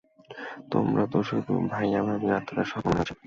তোমার তো শুধু ভাইয়া ভাবি আর তাদের স্বপ্ন মনে আছে।